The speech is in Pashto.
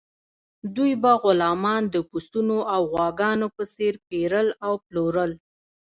دوی به غلامان د پسونو او غواګانو په څیر پیرل او پلورل.